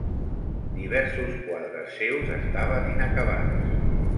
Diversos quadres seus estaven inacabats.